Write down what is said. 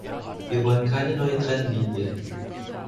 Wir wollen keine neue Trennlinie.